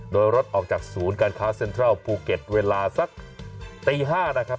โดยรถออกจากศูนย์การค้าเซ็นทรัลภูเก็ตเวลาสักตี๕นะครับ